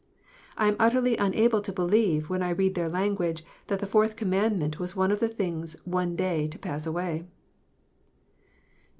I am utterly unable to believe, when I read their language, that the Fourth Command ment was one of the things one day to pass away.